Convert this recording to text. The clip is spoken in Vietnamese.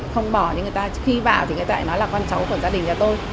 không bỏ nhưng người ta khi bảo thì người ta lại nói là con cháu của gia đình nhà tôi